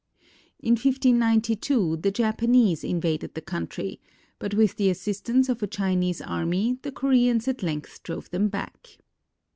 In 1592, the Japanese invaded the country, but with the assistance of a Chinese army the Koreans at length drove them back.